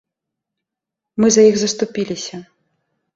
Мы за іх заступіліся.